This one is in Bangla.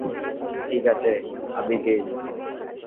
ঠিক আছে, আবিগ্যাইল।